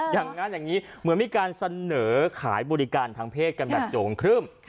อย่างนั้นอย่างนี้เหมือนมีการเสนอขายบริการทางเพศกันแบบโจ่งครึ่ม